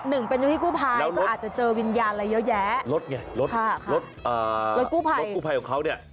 หนึ่งเป็นพี่กู้ภัยก็อาจจะเจอวิญญาณอะไรเยอะแยะรถไงรถกู้ภัยของเขาเนี่ย